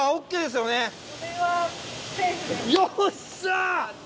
よっしゃ！